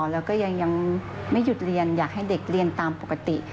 แล้วก็ยังไม่หยุดเรียนอยากให้เด็กเรียนตามปกติ